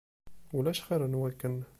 Ulac xir n wakken.